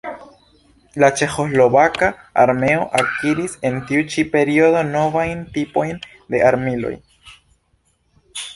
La ĉeĥoslovaka armeo akiris en tiu ĉi periodo novajn tipojn de armiloj.